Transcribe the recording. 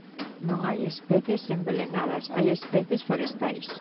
Non hai especies envelenadas, hai especies forestais.